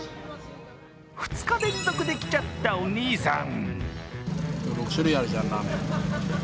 ２日連続できちゃったお兄さん。